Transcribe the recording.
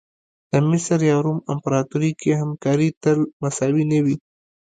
د مصر یا روم امپراتوري کې همکاري تل مساوي نه وه.